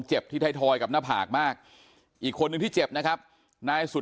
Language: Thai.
ที่ไทยทอยกับหน้าผากมากอีกคนนึงที่เจ็บนะครับนายสุด